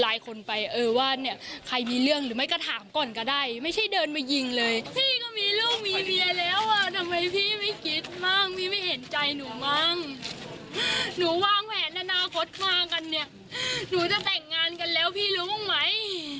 แล้วพี่หวัดหลับมาหนาคนแฟนหนูอย่างเงี้ยแล้วหนูจะอยู่ยังไง